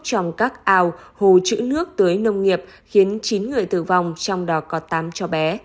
trong các ao hồ chữ nước tưới nông nghiệp khiến chín người tử vong trong đó có tám cháu bé